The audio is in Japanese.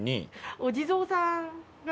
お地蔵さんがいる。